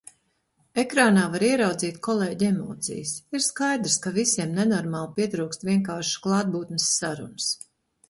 Ekrānā var ieraudzīt kolēģu emocijas. ir skaidrs, ka visiem nenormāli pietrūkst vienkāršas klātbūtnes sarunas.